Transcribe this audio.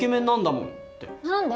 何で？